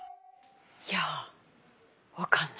いや分かんない。